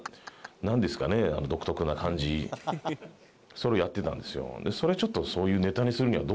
それをやってたんですよ。